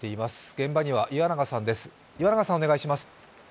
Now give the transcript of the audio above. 現場には岩永さんです。